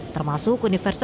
termasuk universitas erlangga